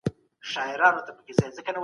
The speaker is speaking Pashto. که پلان جوړ نه سي اقتصادي پرمختيا به ټکنۍ سي.